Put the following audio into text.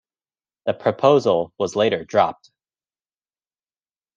The proposal was later dropped.